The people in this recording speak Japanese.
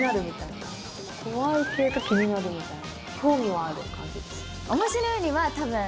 怖いけど気になるみたいな。